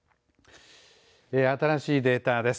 新しいデータです。